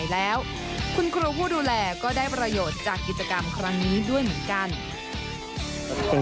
แล้วคุณครูผู้ดูแลก็ได้ประโยชน์จากกิจกรรมครั้งนี้ด้วยเหมือนกัน